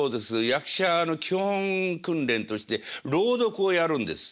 役者の基本訓練として朗読をやるんです。